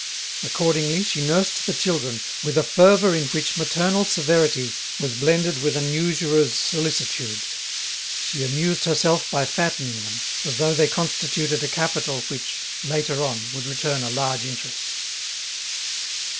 Accordingly, she nursed the children with a fervour in which maternal severity was blended with an usurer's solicitude. She amused herself by fattening them as though they constituted a capital which, later on, would return a large interest.